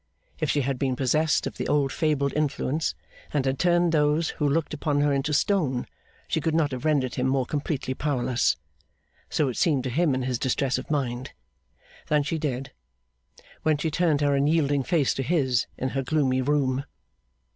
If she had been possessed of the old fabled influence, and had turned those who looked upon her into stone, she could not have rendered him more completely powerless (so it seemed to him in his distress of mind) than she did, when she turned her unyielding face to his in her gloomy room.